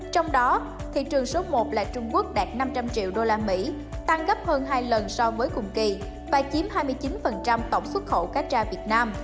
trong đó thị trường số một là trung quốc đạt năm trăm linh triệu usd tăng gấp hơn hai lần so với cùng kỳ và chiếm hai mươi chín tổng xuất khẩu cá tra việt nam